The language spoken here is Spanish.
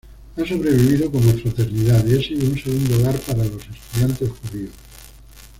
Ha sobrevivido como fraternidad y ha sido un segundo hogar para los estudiantes judíos.